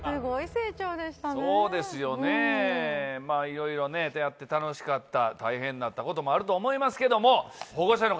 色々ね楽しかった大変だったこともあると思いますけども。